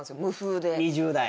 ２０代。